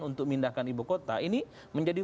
untuk pindahkan ibu kota ini menjadi